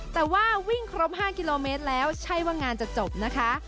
แต่ว่าวิ่งครบ๕กิโลเมตรแล้วใช่ว่างานจะจบนะคะ